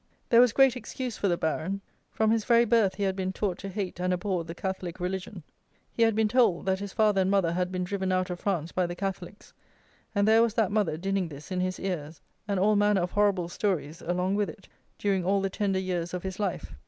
There was great excuse for the Baron. From his very birth he had been taught to hate and abhor the Catholic religion. He had been told, that his father and mother had been driven out of France by the Catholics: and there was that mother dinning this in his ears, and all manner of horrible stories along with it, during all the tender years of his life.